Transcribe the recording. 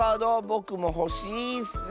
ぼくもほしいッス。